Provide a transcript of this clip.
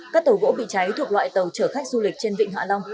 các tàu gỗ bị cháy thuộc loại tàu chở khách du lịch trên vịnh hạ long